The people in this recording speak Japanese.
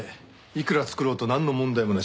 いくら作ろうとなんの問題もなし。